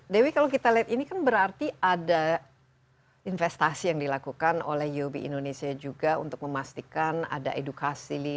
dewi kalau kita lihat ini kan berarti ada investasi yang dilakukan oleh uob indonesia juga untuk memastikan ada edukasi